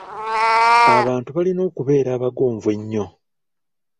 Abantu balina okubeera abagonvu ennyo.